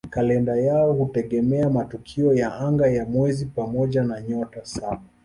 Kalenda yao hutegemea matukio ya anga ya mwezi pamoja na "Nyota Saba".